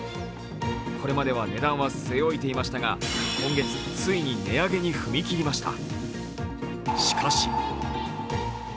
これまでは値段は据え置いていましたが、今月、ついに値上げに踏み切りました。